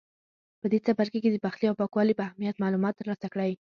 په دې څپرکي کې د پخلي او پاکوالي په اهمیت معلومات ترلاسه کړئ.